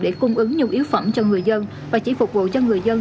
để cung ứng nhu yếu phẩm cho người dân và chỉ phục vụ cho người dân